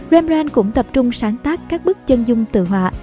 rambran cũng tập trung sáng tác các bức chân dung tự họa